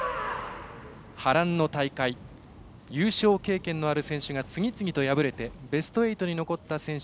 波乱の大会優勝経験のある選手が次々と敗れてベスト８に残った選手